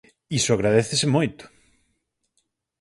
Iso agradécese moito.